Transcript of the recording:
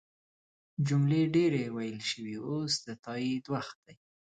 جملې ډیرې ویل شوي اوس د تایید وخت دی.